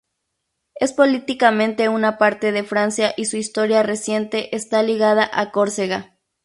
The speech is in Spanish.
Es políticamente una parte de Francia y su historia reciente está ligada a Córcega.